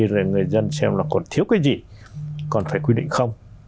rồi người dân xem là còn thiếu cái gì còn phải quy định không